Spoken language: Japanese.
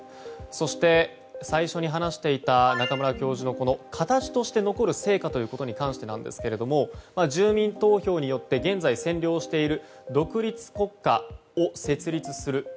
そして、最初に話していた中村教授の形として残る成果ということに関してなんですけども住民投票によって現在占領している独立国家を設立する。